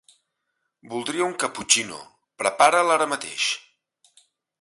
Voldria un caputxino, prepara'l ara mateix.